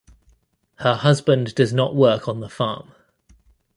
Her husband does not work on the farm.